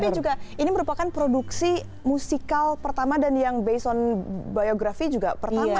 nah tapi juga ini merupakan produksi musikal pertama dan yang based on biography juga pertama ya